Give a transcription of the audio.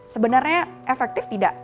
sebenarnya efektif tidak